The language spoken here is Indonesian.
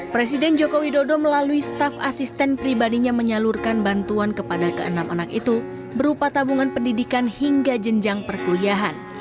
presiden joko widodo melalui staf asisten pribadinya menyalurkan bantuan kepada keenam anak itu berupa tabungan pendidikan hingga jenjang perkuliahan